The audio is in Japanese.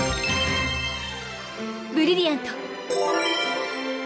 ブリリアント！